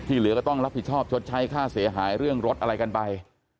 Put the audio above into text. เหลือก็ต้องรับผิดชอบชดใช้ค่าเสียหายเรื่องรถอะไรกันไป